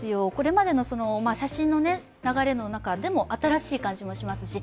これまでの写真の流れの中でも新しい感じもします。